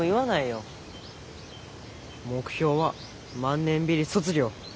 目標は万年ビリ卒業。